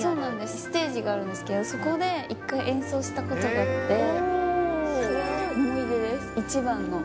ステージがあるんですけど、そこで一回、演奏したことがあって、それが思い出です、一番の。